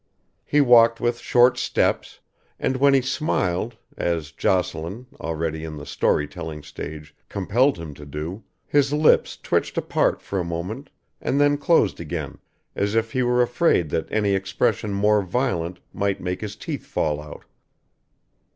He walked with short steps; and when he smiled, as Jocelyn, already in the story telling stage, compelled him to do, his lips twitched apart for a moment and then closed again as if he were afraid that any expression more violent might make his teeth fall out.